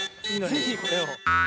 ぜひこれを。